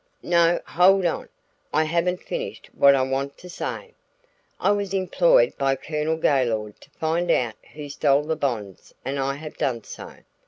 "No, hold on, I haven't finished what I want to say. I was employed by Colonel Gaylord to find out who stole the bonds and I have done so.